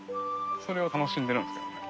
それを楽しんでるんですけどね。